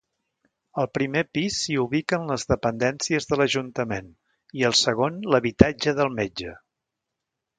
Al primer pis s'hi ubiquen les dependències de l'ajuntament i al segon, l'habitatge del metge.